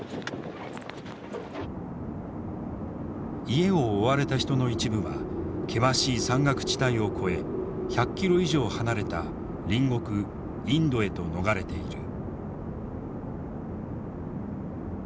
家を追われた人の一部は険しい山岳地帯を越え１００ｋｍ以上離れた隣国インドへと逃れている。